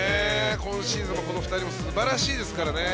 今シーズン、この２人も素晴らしいですからね。